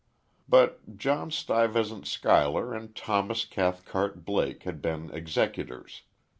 But John Stuyvesant Schuyler and Thomas Cathcart Blake had been executors.